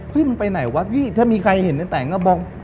เฮ้ยมันไปไหนวะถ้ามีใครเห็นในแต่งก็บอก